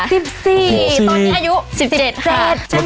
ตอนนี้อายุ๑๗ค่ะ